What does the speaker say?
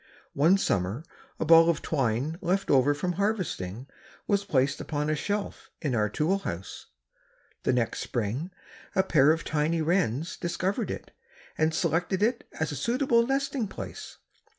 One summer a ball of twine left over from the harvesting was placed upon a shelf in our tool house. The next spring a pair of tiny wrens discovered it and selected it as a suitable nesting place.